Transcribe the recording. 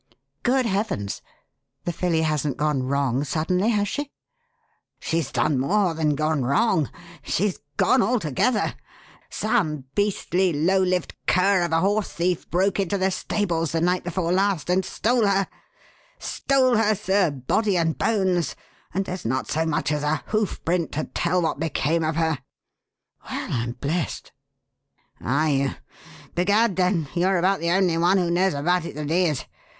"Good heavens! The filly hasn't 'gone wrong' suddenly, has she?" "She's done more than 'gone wrong' she's gone altogether! Some beastly, low lived cur of a horse thief broke into the stables the night before last and stole her stole her, sir, body and bones and there's not so much as a hoofprint to tell what became of her." "Well, I'm blest!" "Are you? B'gad, then, you're about the only one who knows about it that is!